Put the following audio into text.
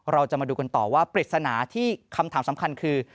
เราจะมาดูกันต่อว่าปริศนาที่คำถามสำคัญคือ